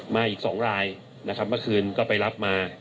มาอีก๒รายนะครับ